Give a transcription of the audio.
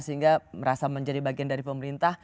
sehingga merasa menjadi bagian dari pemerintah